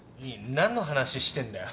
何の話してんだよ。